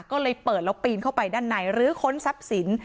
ก็เลยเปิดแล้วปีนเข้าไปด้านในหรือค้นทรัพย์สิน